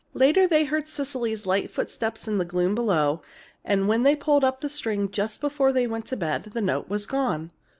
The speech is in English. Later they heard Cecily's light footsteps in the gloom below, and when they pulled up the string just before they went to bed, the note was gone.